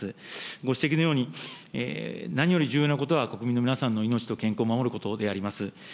ご指摘のように、何より重要なことは、国民の皆さんの命と健康を守ることであります。